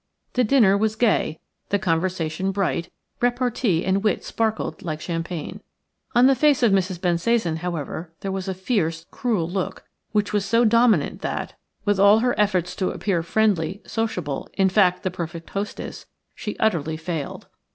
The dinner was gay; the conversation bright; repartee and wit sparkled like champagne. On the face of Mrs. Bensasan, however, there was a fierce, cruel look, which was so dominant that, with all her efforts to appear friendly, sociable – in fact, the perfect hostess – she utterly failed.